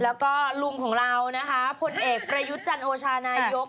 แล้วก็ลุงของเราผลเอกประโยชน์โอชารายก